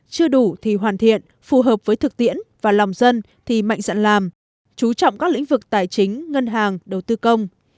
chưa đủ thì hoàn thiện phù hợp với thực tiễn và lòng dân thì mạnh dạn làm chú trọng các lĩnh vực tài chính ngân hàng đầu tư công